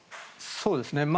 そうですね。